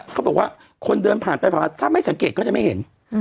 เขาบอกว่าคนเดินผ่านไปผ่านมาถ้าไม่สังเกตก็จะไม่เห็น